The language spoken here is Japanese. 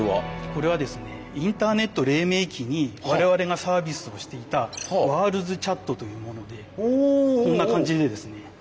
これはですねインターネットれい明期に我々がサービスをしていた「ＷｏｒｌｄｓＣｈａｔ／Ｊ」というものでこんな感じでですね